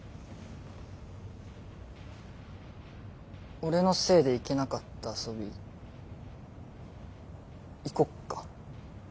俺のせいで行けなかった遊び行こっか。